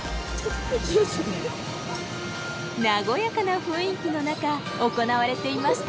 和やかな雰囲気の中行われていました。